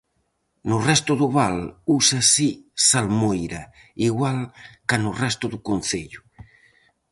No resto do Val, úsase "salmoira" igual ca no resto do concello.